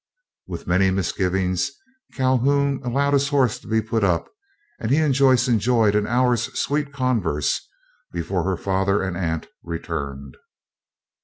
With many misgivings Calhoun allowed his horse to be put up, and he and Joyce enjoyed an hour's sweet converse before her father and aunt returned.